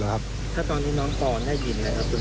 ถ้าตอนนี้นอนพรแน่อยากได้ยินอย่างไรครับ